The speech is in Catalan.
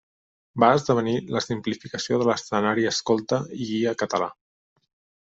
Va esdevenir la simplificació de l'escenari escolta i guia català.